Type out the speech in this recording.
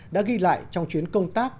đã ghi lại trong chuyến công tác